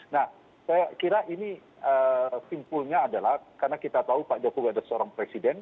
nah saya kira ini simpulnya adalah karena kita tahu pak jokowi adalah seorang presiden